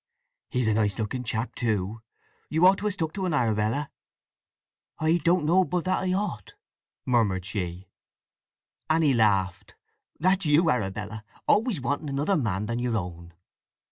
"He's a nice looking chap, too! You ought to ha' stuck to un, Arabella." "I don't know but I ought," murmured she. Anny laughed. "That's you, Arabella! Always wanting another man than your own."